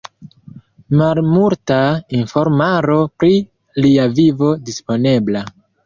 Malmulta informaro pri lia vivo disponebla.